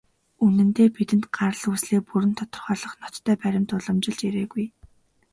Үнэндээ, бидэнд гарал үүслээ бүрэн тодорхойлох ноттой баримт уламжилж ирээгүй.